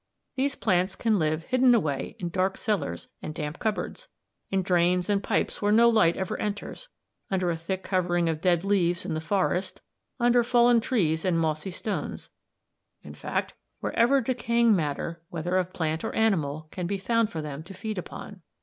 These plants can live hidden away in dark cellars and damp cupboards, in drains and pipes where no light ever enters, under a thick covering of dead leaves in the forest, under fallen trunks and mossy stones; in fact, wherever decaying matter, whether of plant or animal, can be found for them to feed upon.